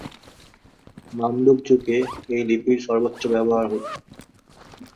Mamluk যুগে এই লিপির সর্বোচ্চ ব্যবহার হত।